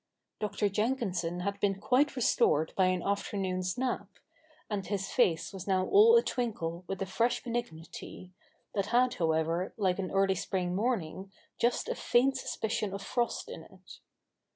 Dr. Jenkinson had been quite restored by an afternoon's nap ; and his face was now all a twinkle with a fresh i82 THE NEW REPUBLIC [v,k. iv benignity, that had however, like an early spring morn ing, just a faint suspicion of frost in it.